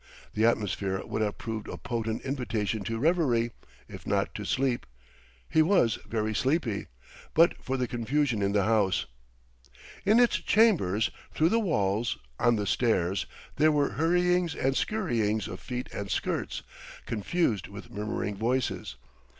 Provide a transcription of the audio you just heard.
The atmosphere would have proved a potent invitation to reverie, if not to sleep he was very sleepy but for the confusion in the house. In its chambers, through the halls, on the stairs, there were hurryings and scurryings of feet and skirts, confused with murmuring voices.